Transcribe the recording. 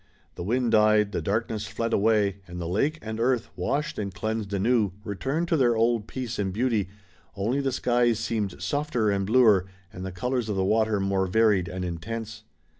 The wind died, the darkness fled away and the lake and earth, washed and cleansed anew, returned to their old peace and beauty, only the skies seemed softer and bluer, and the colors of the water more varied and intense.